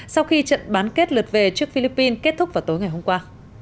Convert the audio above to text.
sau khi trận bán kết lượt về trước philippines kết thúc vào tối ngày hôm qua